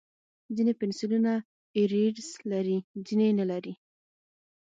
ځینې پنسلونه ایریزر لري، ځینې یې نه لري.